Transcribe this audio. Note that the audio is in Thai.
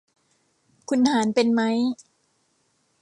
คุณหารเป็นมั้ย